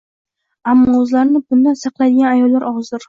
Ammo o'zlarini bundan saqlaydigan ayollar ozdir.